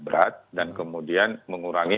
berat dan kemudian mengurangi